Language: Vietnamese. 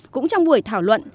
cũng trong buổi thảo luận